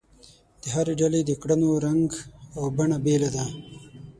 د هرې ډلې د کړنو رنګ او بڼه بېله ده.